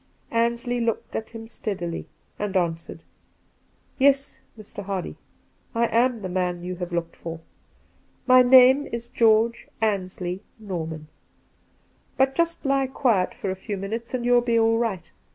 Ansley looked at him steadily, and answered :' Yes, Mr. Hardy, I am the man you have looked for. My name is George Ansley Norman. But just lie quiet for a few minutes, and you'll; be all right.